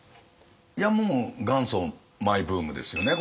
いやもう元祖マイブームですよね